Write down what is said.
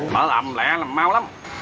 bỏ lầm lẹ làm mau lắm